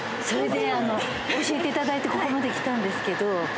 それで教えていただいてここまで来たんですけど。